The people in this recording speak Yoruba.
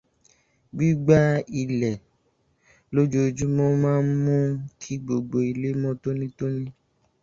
Gbígbá ilẹ̀ lójojúmọ́ máa n mú kí gbogbo ilé mọ́ tónítóní